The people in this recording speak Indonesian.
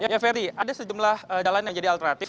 ya ferdi ada sejumlah jalan yang menjadi alternatif